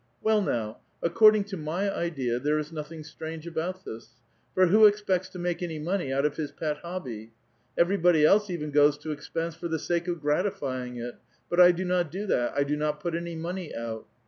Well, now, according to my idea, there is nothing strange about this ; for who expects to make any money out of his pet hobby? Everybody else even goes to expense for the sake of gratifying it, but I do "ot do that ; I do not put any money out.